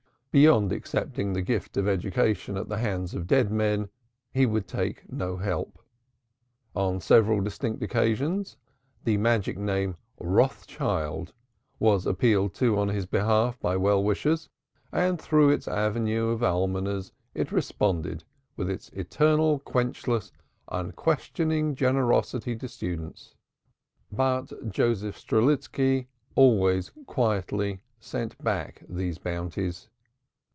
Beyond accepting the gift of education at the hands of dead men he would take no help. On several distinct occasions, the magic name, Rothschild, was appealed to on his behalf by well wishers, and through its avenue of almoners it responded with its eternal quenchless unquestioning generosity to students. But Joseph Strelitski always quietly sent back these bounties.